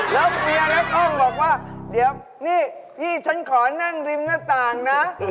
แล้วเมียนครบอกว่าเดี๋ยวนี่พี่ฉันขอนั่งริมหน้าต่างนะ